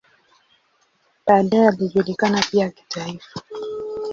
Baadaye alijulikana pia kitaifa.